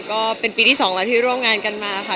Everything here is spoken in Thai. ก็เป็นปีที่๒แล้วที่ร่วมงานกันมาค่ะ